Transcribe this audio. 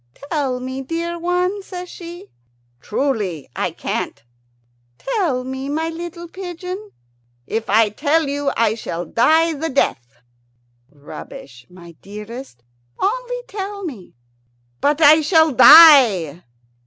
"Tell me, dear one," says she. "Truly, I can't." "Tell me, my little pigeon." "If I tell you I shall die the death." "Rubbish, my dearest; only tell me." "But I shall die."